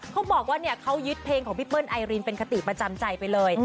เขาบอกว่าเขายึดเพลงของพี่เปิ้ลไอรินเป็นคติประจำใจไปเลย